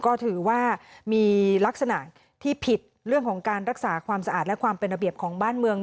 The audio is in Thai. ก็ถือว่ามีลักษณะที่ผิดเรื่องของการรักษาความสะอาดและความเป็นระเบียบของบ้านเมือง